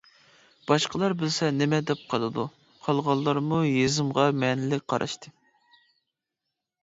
باشقىلار بىلسە نېمە دەپ قالىدۇ؟ قالغانلارمۇ ھېزىمغا مەنىلىك قاراشتى.